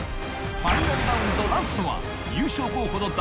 ファイナルラウンドラスト優勝候補の大